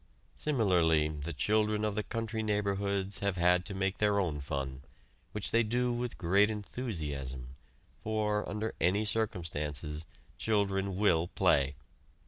Similarly the children of the country neighborhoods have had to make their own fun, which they do with great enthusiasm, for, under any circumstances, children will play.